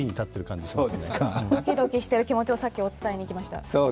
ドキドキしている気持ちをさっき伝えに行きました。